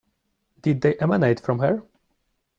Did they emanate from her?